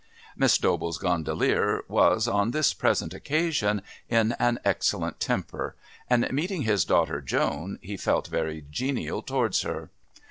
Miss Dobell's gondolier was, on this present occasion, in an excellent temper; and meeting his daughter Joan, he felt very genial towards her.